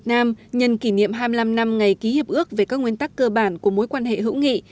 hai mươi năm năm ngày ký hiệp ước về các nguyên tắc cơ bản của mối quan hệ hữu nghị